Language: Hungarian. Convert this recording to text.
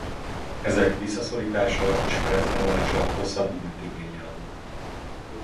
Ezek visszaszorítása és felszámolása hosszabb időt igényel.